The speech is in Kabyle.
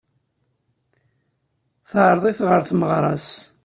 Teɛreḍ-it ɣer tmeɣra-s.